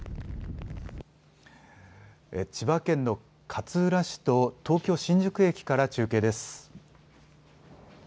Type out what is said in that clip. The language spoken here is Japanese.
千葉県の勝浦市と東京新宿駅から中継です。